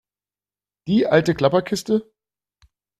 Die alte Klapperkiste?